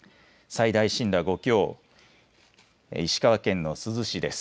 最大震度５強、石川県の珠洲市です。